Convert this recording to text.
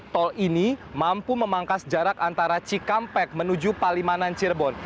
tol ini mampu memangkas jarak antara cikampek menuju palimanan cirebon